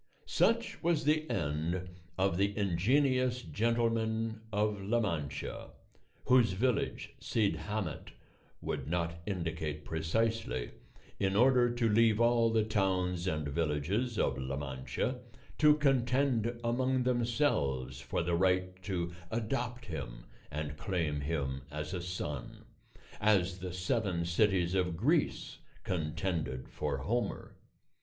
Such was the end of the Ingenious Gentleman of La Mancha, whose village Cid Hamet would not indicate precisely, in order to leave all the towns and villages of La Mancha to contend among themselves for the right to adopt him and claim him as a son, as the seven cities of Greece contended for Homer.